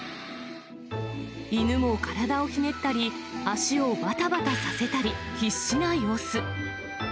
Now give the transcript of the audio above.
犬も体をひねったり、足をばたばたさせたり、必死な様子。